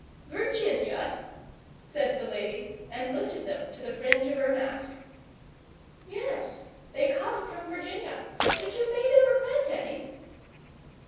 'Virginia?' said the lady, and lifted them to the fringe of her mask. 'Yes. They come from Virginia. Did your maid ever plant any?